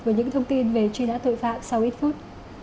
với những thông tin về truy nã tội phạm sau ít phút